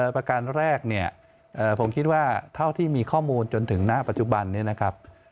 ประการแรกเนี่ยผมคิดว่าเท่าที่มีข้อมูลจนถึงณปัจจุบันนี้นะครับ